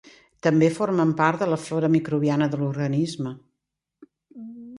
També formen part de la flora microbiana de l'organisme.